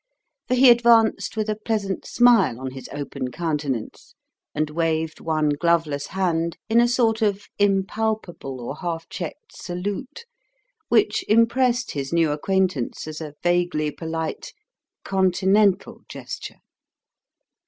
For he advanced with a pleasant smile on his open countenance, and waved one gloveless hand in a sort of impalpable or half checked salute, which impressed his new acquaintance as a vaguely polite Continental gesture.